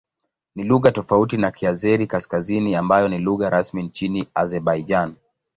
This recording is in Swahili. Ni lugha tofauti na Kiazeri-Kaskazini ambayo ni lugha rasmi nchini Azerbaijan.